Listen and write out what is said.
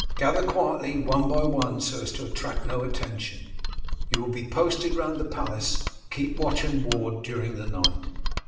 Gather quietly one by one so as to attract no attention. You will be posted round the palace, to keep watch and ward during the night.